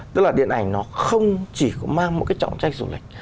tức là điện ảnh nó không chỉ có mang một cái trọng trách du lịch